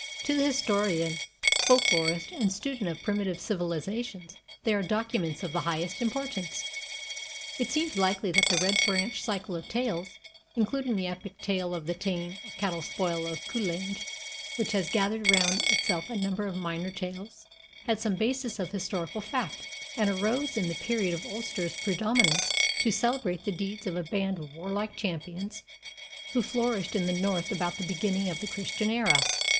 To the historian, folklorist, and student of primitive civilizations they are documents of the highest importance. It seems likely that the Red Branch cycle of tales, including the epic tale of the Táin or Cattle spoil of Cualnge, which has gathered round itself a number of minor tales, had some basis of historical fact, and arose in the period of Ulster's predominance to celebrate the deeds of a band of warlike champions who flourished in the north about the beginning of the Christian era.